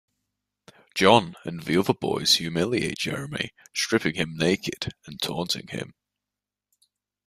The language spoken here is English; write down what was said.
John and the other boys humiliate Jeremy, stripping him naked and taunting him.